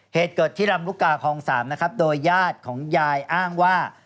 เหตุเกิดที่ลำลูกกาคลอง๓นะครับโดยญาติของยายอ้างว่า